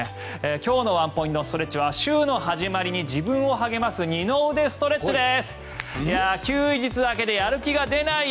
今日のワンポイントストレッチは週の始まりに自分を励ます二の腕ストレッチです。